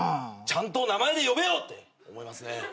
ちゃんと名前で呼べよ！って思いますね。